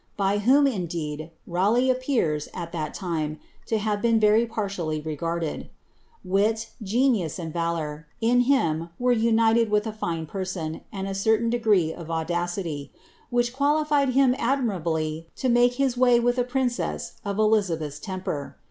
by whom, indeed. Raleigh af) that lime, to have been »ery partially regarded. Wit, ^nius, am ia bim, were united with a fine person, and a certaiu degree oTi which qualified him adiDirably to make his way viih ■ prii Elizabeth's temper.